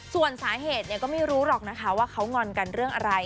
ส่วนสาเหตุก็ไม่รู้หรอกนะคะว่าเขางอนกันเรื่องอะไร